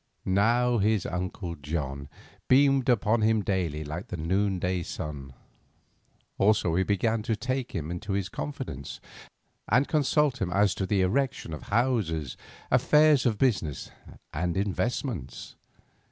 Now his uncle John beamed upon him daily like the noonday sun. Also he began to take him into his confidence, and consult him as to the erection of houses, affairs of business, and investments.